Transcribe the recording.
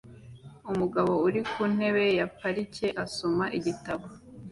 Umugabo uri ku ntebe ya parike asoma igitabo